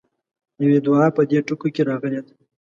يوې دعا په دې ټکو کې راغلې ده.